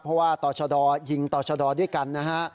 เพราะว่าตชภยิงตชภด้วยกันนะฮะ